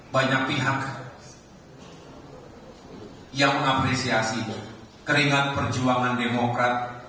banyak pihak yang mengapresiasi keringat perjuangan demokrat